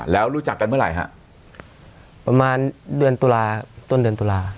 แล้วรู้จักกันเมื่อไหร่ฮะประมาณเดือนตุลาต้นเดือนตุลา